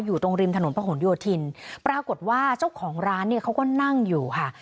อยู่ตรงริมถนนพระหลโยธินปรากฏว่าเจ้าของร้านเนี่ยเขาก็นั่งอยู่ค่ะ